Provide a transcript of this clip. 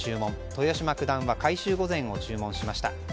豊島九段は海舟御膳を注文しました。